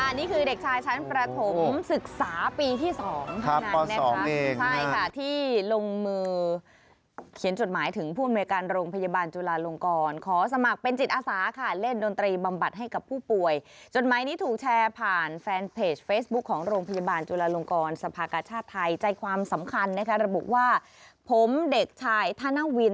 นี่คือเด็กชายชั้นประถมศึกษาปีที่๒เท่านั้นนะคะใช่ค่ะที่ลงมือเขียนจดหมายถึงผู้อำนวยการโรงพยาบาลจุลาลงกรขอสมัครเป็นจิตอาสาค่ะเล่นดนตรีบำบัดให้กับผู้ป่วยจดหมายนี้ถูกแชร์ผ่านแฟนเพจเฟซบุ๊คของโรงพยาบาลจุลาลงกรสภากชาติไทยใจความสำคัญนะคะระบุว่าผมเด็กชายธนวิน